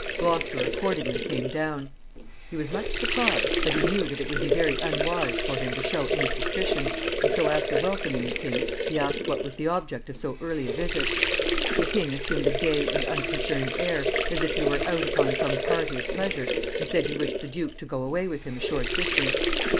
Gloucester accordingly came down. He was much surprised, but he knew that it would be very unwise for him to show any suspicion, and so, after welcoming the king, he asked what was the object of so early a visit. The king assumed a gay and unconcerned air, as if he were out upon some party of pleasure, and said he wished the duke to go away with him a short distance.